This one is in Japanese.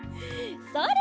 それ！